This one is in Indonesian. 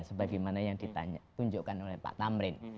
sebagaimana yang ditunjukkan oleh pak tamrin